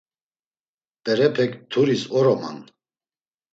Berepek mturis oroman.